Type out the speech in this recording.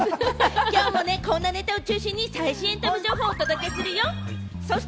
今日もこんなネタを中心に最新エンタメ情報をお届けしていくよ！